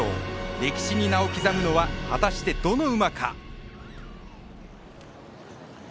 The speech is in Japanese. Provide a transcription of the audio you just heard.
歴史に名を刻むのは果たして、どの馬か？